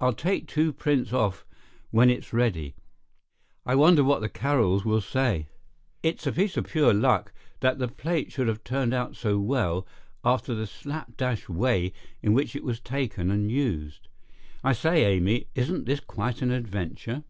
I'll take two prints off when it is ready. I wonder what the Carrolls will say." "It's a piece of pure luck that the plate should have turned out so well after the slap dash way in which it was taken and used. I say, Amy, isn't this quite an adventure?"